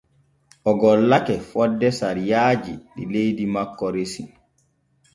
O gollake fonde sariyaaji ɗi leydi makko resi.